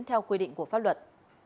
theo quy định của pháp luật